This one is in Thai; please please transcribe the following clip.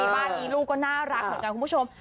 บ้านนี้ลูกก็น่ารักเหมือนกันคุณผู้ชม